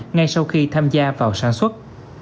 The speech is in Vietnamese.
ngay sau khi tham gia vào sản xuất